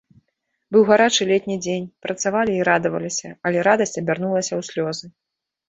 Быў гарачы летні дзень, працавалі і радаваліся, але радасць абярнулася ў слёзы.